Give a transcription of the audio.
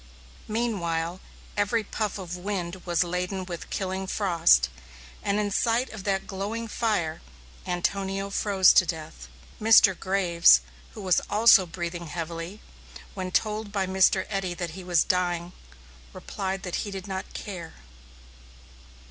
Meanwhile, every puff of wind was laden with killing frost, and in sight of that glowing fire, Antonio froze to death. Mr. Graves, who was also breathing heavily, when told by Mr. Eddy that he was dying, replied that he did not care.